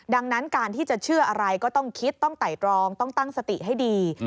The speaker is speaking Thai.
ดังนั้นการที่จะเชื่ออะไรก็ต้องคิดต้องไต่ตรองต้องตั้งสติให้ดี